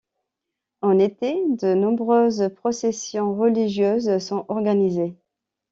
En été, de nombreuses processions religieuses sont organisées.